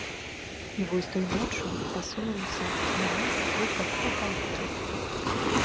І вось той ноччу пасунуліся на нас з двух бакоў палякі.